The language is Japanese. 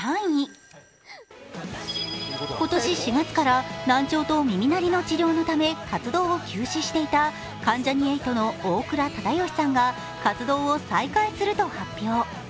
今年４月から難聴と耳鳴りの治療のため活動を休止していた関ジャニ∞の大倉忠義さんが活動を再開すると発表。